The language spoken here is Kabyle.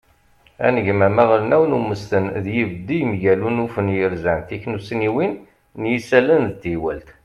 anegmam aɣelnaw n umesten d yibeddi mgal unufen yerzan tiknussniwin n yisallen d teywalt